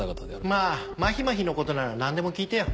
まぁまひまひのことなら何でも聞いてよ。